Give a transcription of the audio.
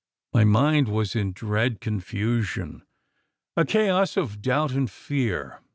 My mind was in dread confusion a chaos of doubt and fear.